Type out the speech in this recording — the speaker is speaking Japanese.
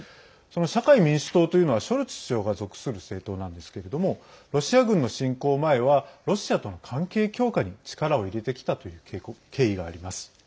社会民主党というのはショルツ首相が属する政党なんですけれどもロシア軍の侵攻前はロシアとの関係強化に力を入れてきたという経緯があります。